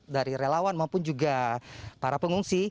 dari relawan maupun juga para pengungsi